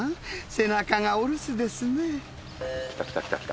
背中がお留守ですねぇ。